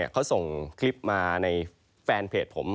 เขาส่งคลิปมาในแฟนเพจผม